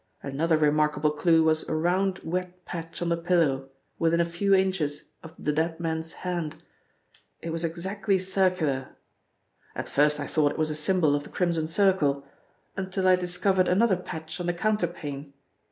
Another remarkable clue was a round wet patch on the pillow, within a few inches of the dead man's hand. It was exactly circular. At first I thought it was a symbol of the Crimson Circle, until I discovered another patch on the counterpane.